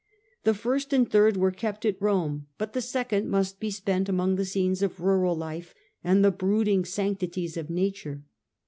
The first and third were kept at Rome, but the second festival, must be spent among the scenes of rural life Act^Frat. and the brooding sanctities of Nature.